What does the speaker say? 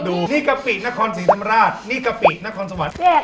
ที่กะปินครศรีธรรมราชนี่กะปินครสวรรค์